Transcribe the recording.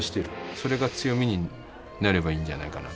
それが強みになればいいんじゃないかな。